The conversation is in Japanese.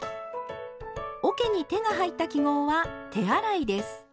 おけに手が入った記号は手洗いです。